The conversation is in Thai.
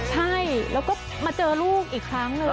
ใช่แล้วก็มาเจอลูกอีกครั้งหนึ่ง